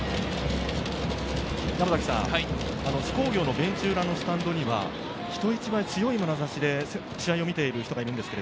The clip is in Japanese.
津工業のベンチ裏のスタンドには、人一倍強いまなざしで試合を見ている人がいます。